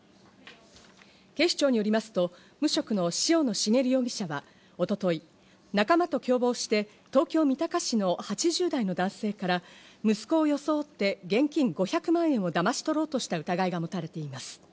警視庁によりますと無職の塩野茂容疑者は一昨日、仲間と共謀して東京・三鷹市の８０代の男性から息子を装って現金５００万円をだまし取ろうとした疑いが持たれています。